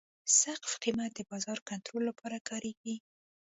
سقف قیمت د بازار کنټرول لپاره کارېږي.